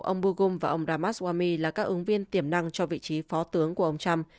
ông boogum và ông ramaswamy là các ứng viên tiềm năng cho vị trí phó tướng của ông trump